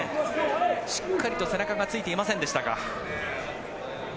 しっかりと背中がついていませんでしたか。